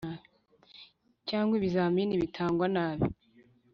cyangwa ibizamini bitangwa nabi?